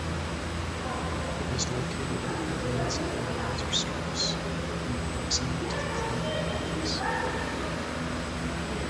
It was located at Berlin's Mauerstrasse, in proximity to the Colonial Office.